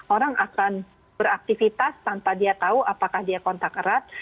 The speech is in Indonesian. orang akan beraktivitas tanpa dia tahu apakah dia kontak erat